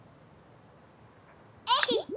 えい！